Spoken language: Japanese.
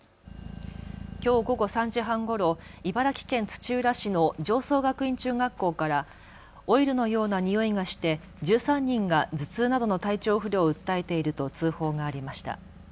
きょう午後３時半ごろ茨城県土浦市の常総学院中学校からオイルのような臭いがして１３人が頭痛などの体調不良を訴えていると通報がありました。